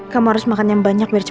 kamu harus makannya baik baik saja